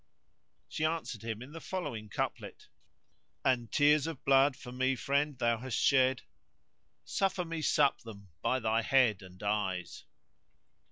She answered him in the following couplet:— "An tears of blood for me, friend, thou hast shed * Suffer me sup them, by thy head and eyes!"